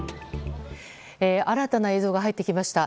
新たな映像が入ってきました。